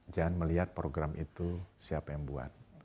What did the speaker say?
jangan melihat program itu siapa yang buat